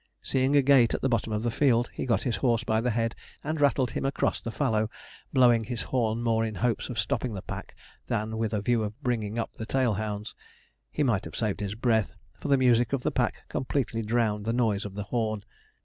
Seeing a gate at the bottom of the field, he got his horse by the head, and rattled him across the fallow, blowing his horn more in hopes of stopping the pack than with a view of bringing up the tail hounds. He might have saved his breath, for the music of the pack completely drowned the noise of the horn.